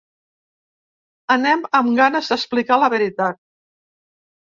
Anem amb ganes d’explicar la veritat.